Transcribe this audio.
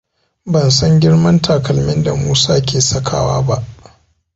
Ban san girman takalimin da Musa ke sakawa ba.